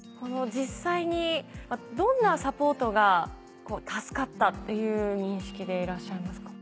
実際にどんなサポートが助かったという認識でいらっしゃいますか？